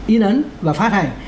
in ấn và phát hành